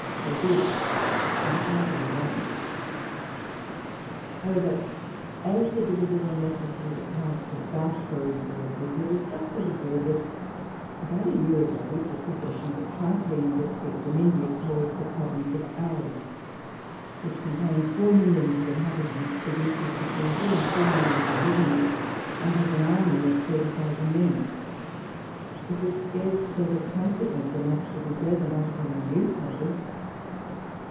They did, and Harvey won. 176 walpole's letters. However, as it is a little necessary to cast about for resources, it is just got abroad, that about a year ago we took possession of a trifling district in India called the Province of Oude, which contains four millions of inhabitants, pro duces between three and four millions of revenue, and has an ai*my of 3U,U00 men : it was scarce thought of consequence enough to de serve an article in the newspapers.